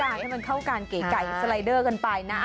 ให้เข้าการเก๋สไลเดอร์กันไปนะ